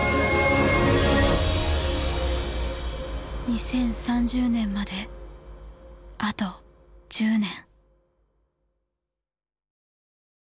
２０３０年まであと１０年。